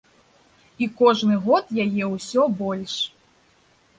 І кожны год яе ўсё больш.